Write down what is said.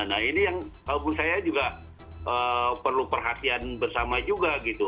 nah ini yang menurut saya juga perlu perhatian bersama juga gitu